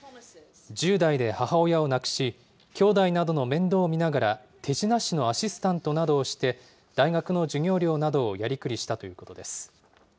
１０代で母親を亡くし、兄弟などの面倒を見ながら、手品師のアシスタントをして大学の授業料などをやりくりしたということです。